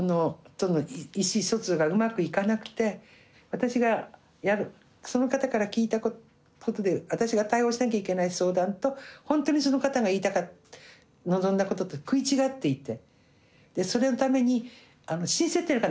私がやるその方から聞いたことで私が対応しなきゃいけない相談と本当にその方が言いたかった望んだことと食い違っていて。